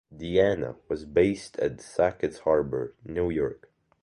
"Diana" was based at Sackets Harbor, New York.